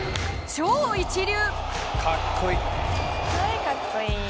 超一流！